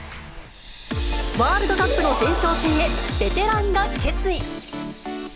ワールドカップの前哨戦へ、ベテランが決意。